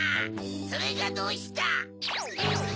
それがどうした？